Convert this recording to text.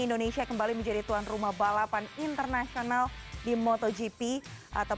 indonesia kembali menjadi tuan rumah balapan internasional di motogp